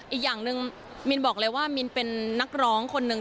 อีกอย่างหนึ่งมินบอกเลยว่ามินเป็นนักร้องคนนึง